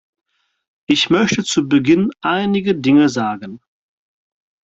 Ich möchte zu Beginn einige Dinge sagen.